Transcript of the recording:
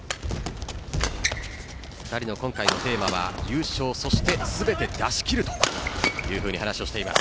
２人の今回のテーマは優勝そして全て出し切るというふうに話をしています。